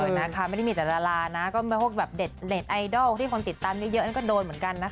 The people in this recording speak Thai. นะคะไม่ได้มีแต่ดารานะก็ไม่พวกแบบเด็ดไอดอลที่คนติดตามเยอะนั่นก็โดนเหมือนกันนะคะ